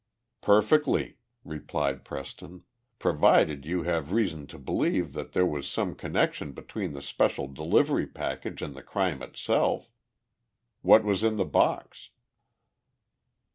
"Perfectly," replied Preston. "Provided you have reason to believe that there was some connection between the special delivery package and the crime itself. What was in the box?"